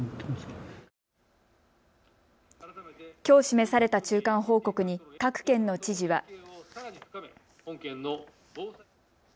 きょう示された中間報告に各県の知事は。